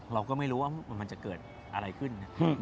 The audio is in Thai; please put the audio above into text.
เราก็ไม่รู้ว่ามันจะเกิดอะไรขึ้น